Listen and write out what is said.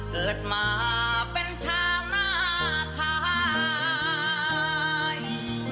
เกิดมาเป็นชาวนาทาย